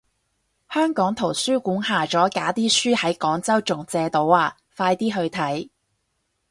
香港圖書館下咗架啲書喺廣州仲借到啊，快啲去睇